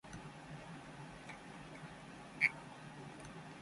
走りだせ、走りだせ、明日を迎えに行こう